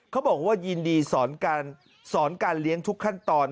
เขาบอกว่ายินดีสอนการเลี้ยงทุกขั้นตอน